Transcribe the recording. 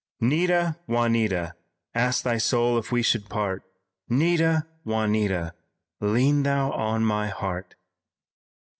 'Nita, Juanita! Ask thy soul if we should part, 'Nita, Juanita! Lean thou on my heart."